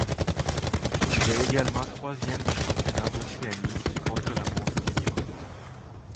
Il est également troisième du championnat d'Océanie du contre-la-montre juniors.